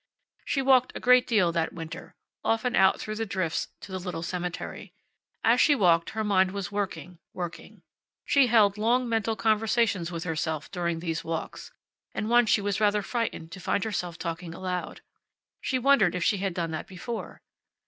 She walked a great deal that winter, often out through the drifts to the little cemetery. As she walked her mind was working, working. She held long mental conversations with herself during these walks, and once she was rather frightened to find herself talking aloud. She wondered if she had done that before.